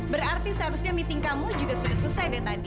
berarti seharusnya meeting kamu juga sudah selesai deh tadi